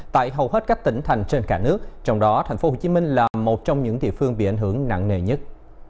đầu hết các tỉnh thành trên cả nước trong đó thành phố hồ chí minh là một trong những địa phương bị ảnh hưởng nặng nề nhất